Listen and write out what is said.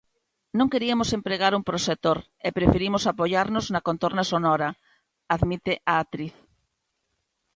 Non queriamos empregar un proxector e preferimos apoiarnos na contorna sonora, admite a actriz.